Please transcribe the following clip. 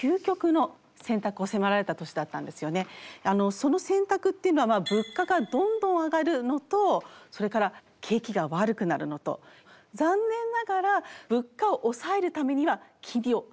その選択っていうのは物価がどんどん上がるのとそれから景気が悪くなるのと残念ながら物価を抑えるためには金利を上げる。